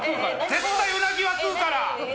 絶対うなぎは食うから。